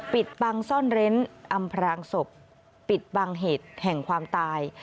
ปิดบังซ่อนเร้นอำพรางศพปิดบังเหตุแห่งความตาย